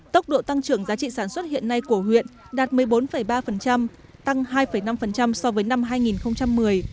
tốc độ tăng trưởng giá trị sản xuất hiện nay của huyện đạt một mươi bốn ba tăng hai năm so với năm hai nghìn một mươi